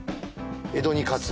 「江戸に勝つ」